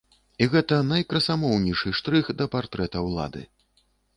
І гэта найкрасамоўнейшы штрых да партрэта ўлады.